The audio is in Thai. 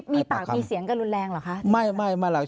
มีปากมีเสียงก็รุนแรงเหรอคะไม่เราสามารถ